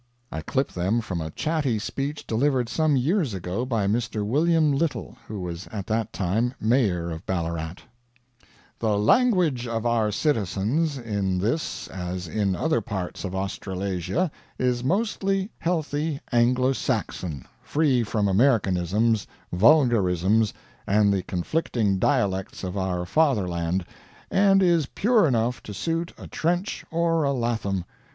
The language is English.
I clip them from a chatty speech delivered some years ago by Mr. William Little, who was at that time mayor of Ballarat: "The language of our citizens, in this as in other parts of Australasia, is mostly healthy Anglo Saxon, free from Americanisms, vulgarisms, and the conflicting dialects of our Fatherland, and is pure enough to suit a Trench or a Latham.